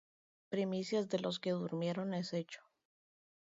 primicias de los que durmieron es hecho.